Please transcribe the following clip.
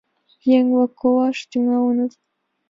Еҥ-влак колаш тӱҥалыныт.